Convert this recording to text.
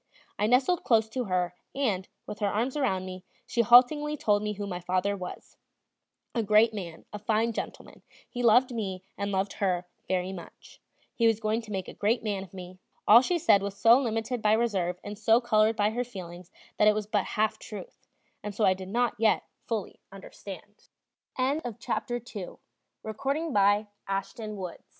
I nestled close to her, and, with her arms round me, she haltingly told me who my father was a great man, a fine gentleman he loved me and loved her very much; he was going to make a great man of me: All she said was so limited by reserve and so colored by her feelings that it was but half truth; and so I did not yet fully understand. III Perhaps I ought not pass on in this narrative without